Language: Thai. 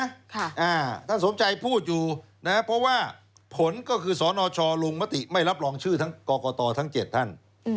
ท่านสมชัยพูดอยู่เพราะว่าผลก็คือสนลุงมะติไม่รับรองชื่อกกตทั้ง๗ท่าน